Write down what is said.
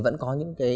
vẫn có những cái